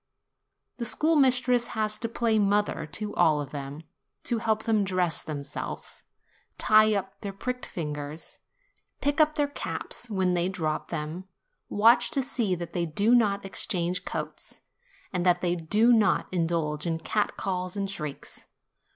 The schoolmistress has to play mother to all of them, to help them dress themselves, tie up their pricked fingers, pick up their caps when they drop them, watch to see that they do not exchange coats, and that they do not indulge in cat calls and shrieks.